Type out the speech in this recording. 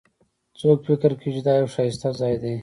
څوک فکر کوي چې دا یو ښایسته ځای ده